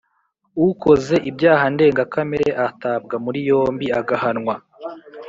Ukoze ibyaha ndenga kamere atabwa muri yombi agahanwa